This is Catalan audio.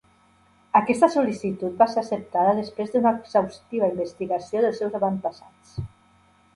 Aquesta sol·licitud va ser acceptada després d'una exhaustiva investigació dels seus avantpassats.